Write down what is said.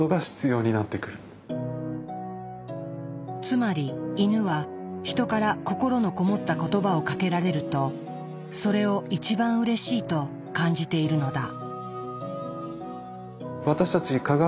つまりイヌはヒトから心のこもった言葉をかけられるとそれを一番うれしいと感じているのだ。